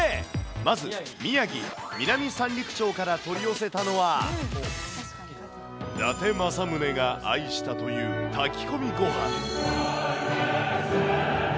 まず宮城・南三陸町から取り寄せたのは、伊達政宗が愛したという炊き込みごはん。